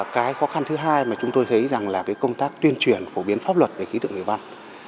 cái khó khăn thứ hai mà chúng tôi thấy rằng là công tác tuyên truyền phổ biến pháp luật về khí tượng thủy văn